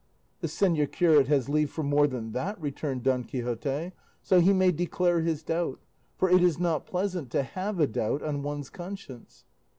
"The señor curate has leave for more than that," returned Don Quixote, "so he may declare his doubt, for it is not pleasant to have a doubt on one's conscience."